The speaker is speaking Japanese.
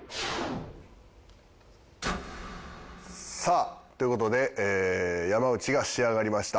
さあという事で山内が仕上がりました。